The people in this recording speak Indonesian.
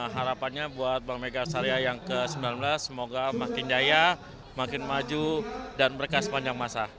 harapannya buat bank mega syariah yang ke sembilan belas semoga makin jaya makin maju dan berkah sepanjang masa